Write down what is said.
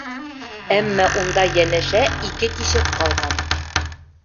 Әммә унда йәнәшә ике тишек ҡалған.